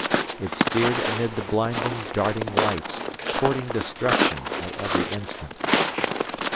It steered amid the blinding, darting lights, courting destruction at every instant.